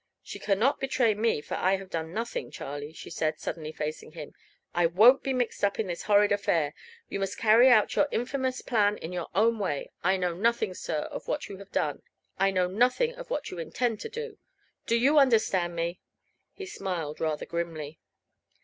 "She cannot betray me, for I have done nothing. Charlie," she said, suddenly facing him, "I won't be mixed in this horrid affair. You must carry out your infamous plan in your own way. I know nothing, sir, of what you have done; I know nothing of what you intend to do. Do you understand me?" He smiled rather grimly.